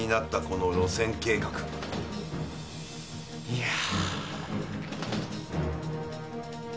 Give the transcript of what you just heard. いや。